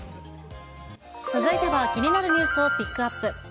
続いては気になるニュースをピックアップ。